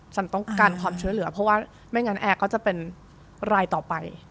ฉันต้องการความช่วยเหลือเพราะว่าไม่งั้นแอร์ก็จะเป็นรายต่อไป